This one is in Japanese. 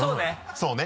そうね。